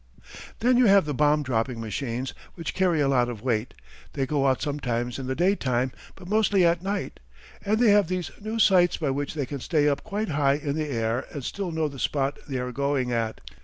Then you have the bomb dropping machines, which carry a lot of weight. They go out sometimes in the daytime, but mostly at night, and they have these new sights by which they can stay up quite high in the air and still know the spot they are going at.